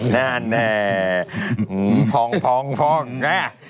นั่นแหละพองนะ